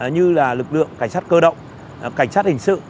như là lực lượng cảnh sát cơ động cảnh sát hình sự